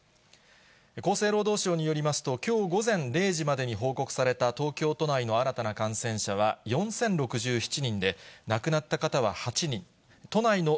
厚生労働省によりますと、きょう午前０時までに報告された東京都内の新たな感染者は４０６７人で、亡くなった方は８人、都内の